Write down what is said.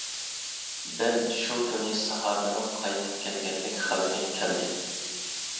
دەل شۇ كۈنى ساھابىنىڭ قايتىپ كەلگەنلىك خەۋىرى كەلدى.